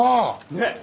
ねっ。